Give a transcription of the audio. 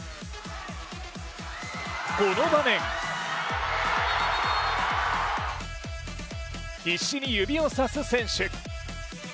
この場面必死に指を指す選手。